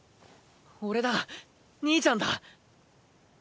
俺だ兄ちゃんだッ！